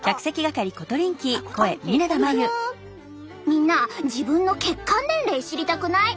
みんな自分の血管年齢知りたくない？